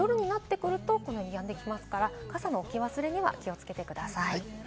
夜になってくるとやんできますから、傘の置き忘れには気をつけてください。